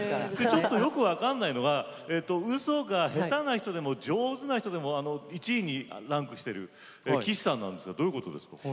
ちょっとよく分かんないのがうそが下手な人でも上手な人でも１位にランクしてる岸さんなんですがどういうことですか？